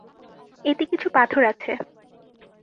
এতে কিছু পাথর আছে।